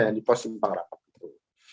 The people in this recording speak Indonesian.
yang di pos simpang rapat itu